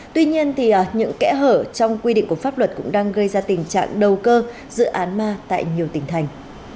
tuy nhiên những kẽ hở trong quy định của pháp luật cũng đang gây ra tình trạng đầu cơ dự án ma tại nhiều tỉnh thành